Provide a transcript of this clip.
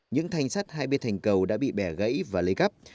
những thanh sắt hai bên thành cầu đã bị bẻ gãy và lấy cắp